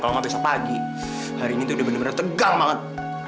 kalau nggak besok pagi hari ini tuh udah bener bener tegang banget